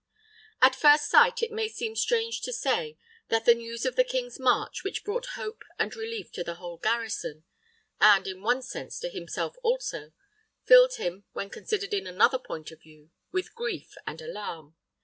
At first sight, it may seem strange to say that the news of the king's march, which brought hope and relief to the whole garrison and, in one sense, to himself also filled him, when considered in another point of view, with grief and alarm.